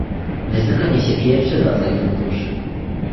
Ryzyko niesie pierwszy rodzaj funduszy